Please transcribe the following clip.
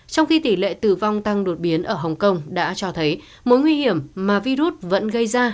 trong khi tỉ lệ tử vong tăng đột biến ở hong kong đã cho thấy mối nguy hiểm mà virus vẫn gây ra